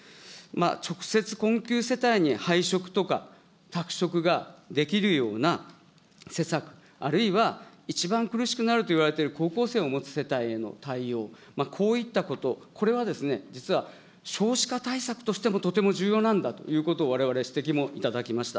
直接困窮世帯に配食とか、宅食ができるような施策、あるいは一番苦しくなるといわれている高校生を持つ世帯への対応、こういったこと、これは実は少子化対策としても、とても重要なんだということを、われわれ指摘も頂きました。